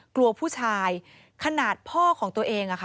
กลัวผู้ชายขนาดพ่อของตัวเองอะค่ะ